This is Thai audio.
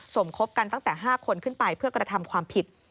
สมคบกันตั้งแต่๕คนขึ้นไปเพื่อกระทำความผิด